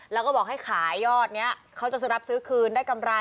แล้วก็บอกให้ขายยอดนี้เขาจะรับซื้อคืนได้กำไร